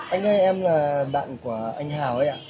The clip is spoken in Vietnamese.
anh ơi em là bạn của anh hào ấy ạ